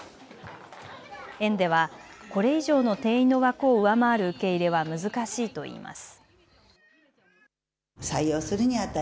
園では、これ以上の定員の枠を上回る受け入れは難しいと言います。